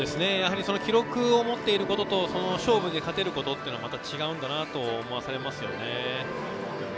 記録を持っていることと勝負で勝てることはまた違うんだなと思わされましたね。